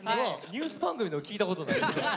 ニュース番組でも聞いたことない。